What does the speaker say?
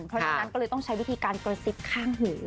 เพราะฉะนั้นก็เลยต้องใช้วิธีการกระซิบข้างหู